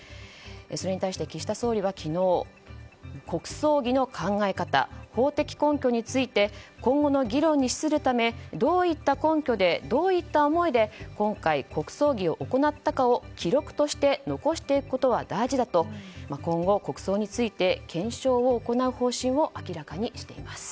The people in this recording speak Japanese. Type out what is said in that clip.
それに対し、岸田総理は昨日国葬儀の考え方法的根拠について今後の議論に資するためどういった根拠でどういった思いで今回、国葬儀を行ったかを記録として残しておくことは大事だと今後、国葬について検証を行う方針を明らかにしています。